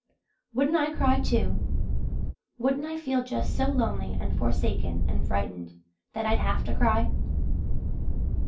Wouldn't I cry, too? Wouldn't I feel just so lonely and forsaken and frightened that I'd have to cry?